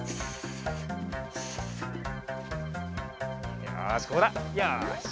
よしここだよし！